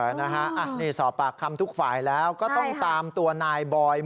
เอ่อนะฮะอ่ะนี่สอบปากคำทุกฝ่ายแล้วก็ต้องตามตัวนายบอยด์